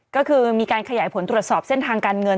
ก็คือมีการขยายผลตรวจสอบเส้นทางการเงิน